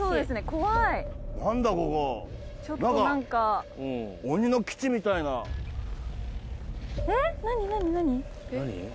怖いちょっと何か鬼の基地みたいな・え何何何？